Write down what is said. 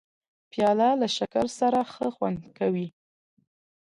پیاله له شکر سره ښه خوند کوي.